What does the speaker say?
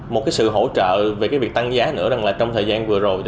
một sự hỗ trợ về việc tăng giá nữa là trong thời gian vừa rồi